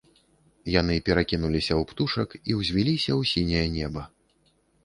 Яны перакінуліся ў птушак і ўзвіліся ў сіняе неба.